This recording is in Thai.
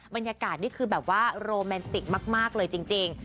บรรยากาศนี่คือแบบว่าโรแมนติกมากเลยจริง